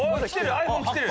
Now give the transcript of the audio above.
「ｉＰｈｏｎｅ」来てる！